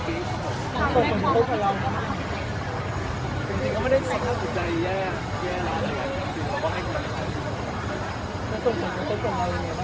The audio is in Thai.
ส่งความสนุกของเรานะบ้าง